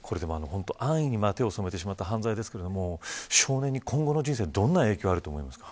安易に手を染めてしまうと犯罪ですが少年の今後の人生どんな影響がありますか。